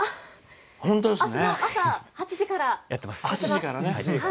朝８時からやってます。